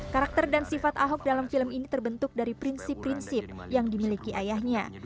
karakter dan sifat ahok dalam film ini terbentuk dari prinsip prinsip yang dimiliki ayahnya